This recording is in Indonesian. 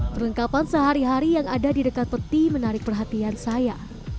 perlengkapan sehari hari yang ada di dekat peti menarik perhatian saya